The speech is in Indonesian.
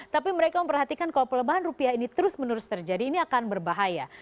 tapi mereka memperhatikan kalau pelemahan rupiah ini terus menerus terjadi ini akan berbahaya